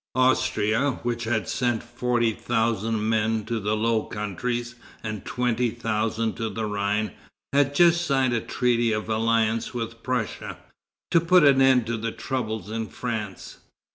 Austria, which had sent forty thousand men to the Low Countries and twenty thousand to the Rhine, had just signed a treaty of alliance with Prussia, "to put an end to the troubles in France."